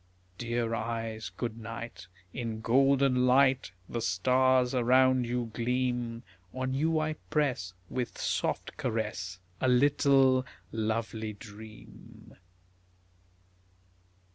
Dear eyes, good night, In golden light The stars around you gleam; On you I press With soft caress A little lovely dream.